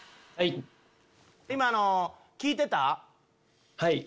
今の聞いてた？